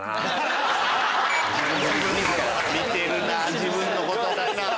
見てるな自分のこと。